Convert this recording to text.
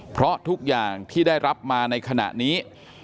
เพราะทุกอย่างที่ได้รับมาในขณะนี้